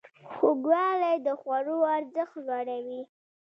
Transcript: خوږوالی د خوړو ارزښت لوړوي.